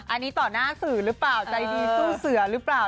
อันนี้ต่อหน้าสื่อหรือเปล่าใจดีสู้เสือหรือเปล่า